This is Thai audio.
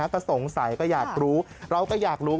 ก็สงสัยก็อยากรู้เราก็อยากรู้